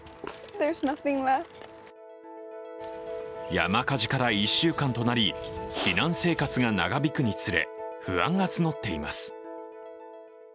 山火事から１週間となり、避難生活が長引くにつれ、不安が募っています。